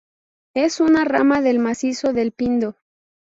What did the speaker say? Es una rama del macizo del Pindo.